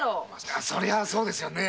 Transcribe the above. そりゃそうですよね。